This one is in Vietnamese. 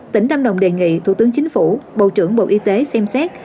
tỉnh lâm đồng đề nghị thủ tướng chính phủ bộ trưởng bộ y tế xem xét